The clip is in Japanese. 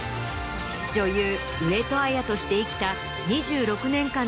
女優上戸彩として生きた。